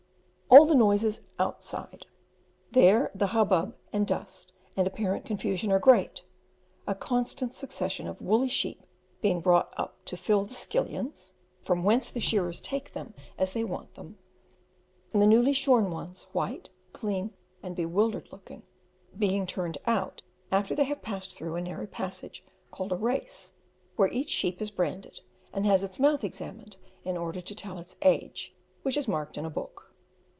All the noise is outside; there the hubbub, and dust, and apparent confusion are great, a constant succession of woolly sheep being brought up to fill the "skillions" (from whence the shearers take them as they want them), and the newly shorn ones, white, clean, and bewildered looking, being turned out after they have passed through a narrow passage, called a "race," where each sheep is branded, and has its mouth examined in order to tell its age, which is marked in a book.